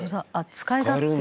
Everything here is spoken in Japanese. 使い勝手を」